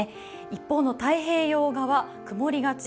一方の太平洋側、曇りがち。